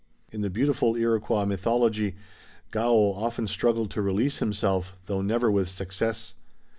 In the beautiful Iroquois mythology, Gaoh often struggled to release himself, though never with success.